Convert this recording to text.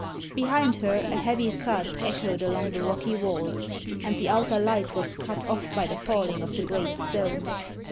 Behind her a heavy thud echoed along the rocky walls, and the outer light was cut off by the falling of the great stone.